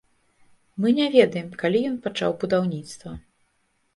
Мы не ведаем, калі ён пачаў будаўніцтва.